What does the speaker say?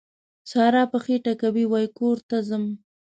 سارا پښې ټکوي؛ وای کور ته ځم.